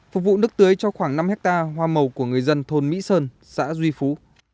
phục vụ nước tưới cho khoảng năm hectare hoa màu của người dân thôn mỹ sơn xã duy phú